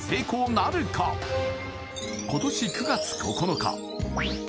今年９月９日